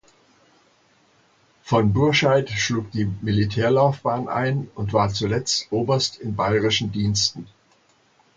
Von Bourscheid schlug die Militärlaufbahn ein und war zuletzt Oberst in bayerischen Diensten.